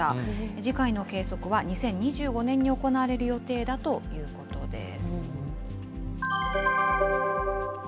次回の計測は２０２５年に行われる予定だということです。